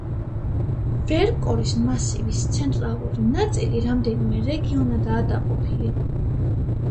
ვერკორის მასივის ცენტრალური ნაწილი რამდენიმე რეგიონადაა დაყოფილი.